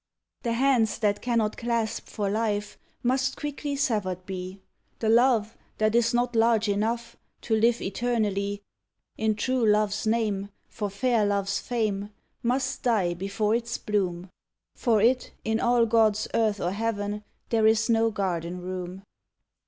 The hands that cannot clasp for life, Must quickly severed be. The love that is not large enough To live eternally, In true love's name, for fair love's fame, Must die before its bloom; For it, in all God's earth or heaven, There is no garden room.